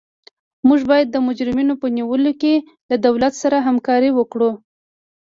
موږ باید د مجرمینو په نیولو کې له دولت سره همکاري وکړو.